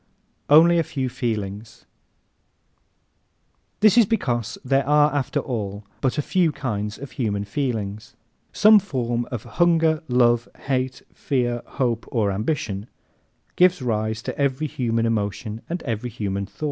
Only a Few Feelings ¶ This is because there are after all but a few kinds of human feelings. Some form of hunger, love, hate, fear, hope or ambition gives rise to every human emotion and every human thought.